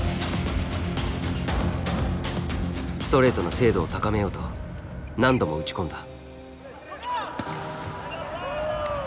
ストレートの精度を高めようと何度も打ち込んだ。